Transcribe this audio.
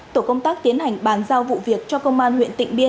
tổ công tác tiến hành bàn giao vụ việc cho công an huyện tịnh biên